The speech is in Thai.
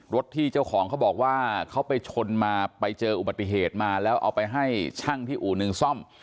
รถที่เจ้าของเขาบอกว่าเขาไปชนมาไปเจออุบัติเหตุมาแล้วเอาไปให้ช่างที่อู่หนึ่งซ่อม